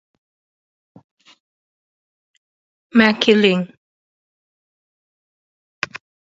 Makiling.